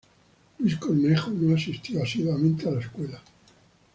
Luis Cornejo no asistió asiduamente a la escuela.